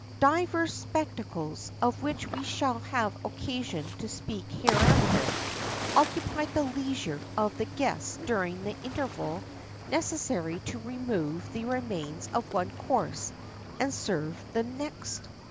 Divers spectacles, of which we shall have occasion to speak hereafter, occupied the leisure of the guests during the interval necessary to remove the remains of one course and serve the next.